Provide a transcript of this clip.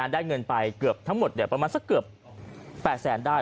ได้เงินไปเกือบทั้งหมดประมาณสักเกือบ๘แสนได้